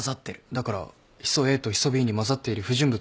だからヒ素Ａとヒ素Ｂに混ざっている不純物を調べて。